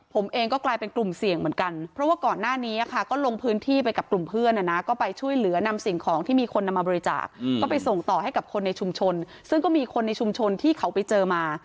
ผมเองก็กลายเป็นกลุ่มเสี่ยงเหมือนกันเพราะว่าก่อนหน้านี้ค่ะก็ลงพื้นที่ไปกับกลุ่มเพื่อนก็ไปช่วยเหลือนำสิ่งของที่มีคนนำมาบริจาคก็ไปส่งต่อให้กับคนในชุมชนซึ่งก็มีคนในชุมชนที่เขาไปเจอมา